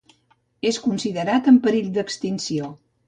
És considerat en perill d'extinció.